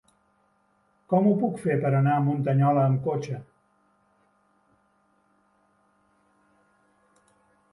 Com ho puc fer per anar a Muntanyola amb cotxe?